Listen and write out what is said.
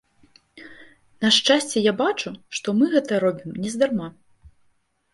На шчасце, я бачу, што мы гэта робім нездарма.